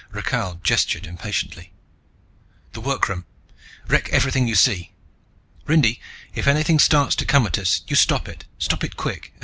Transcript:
Rakhal gestured impatiently. "The workroom. Wreck everything you see. Rindy, if anything starts to come at us, you stop it. Stop it quick.